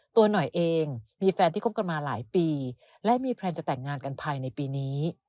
ตัวหน่อยเองมีแฟนที่คบกันมาหลายปีและมีแพลนจะแต่งงานกันภายในปีนี้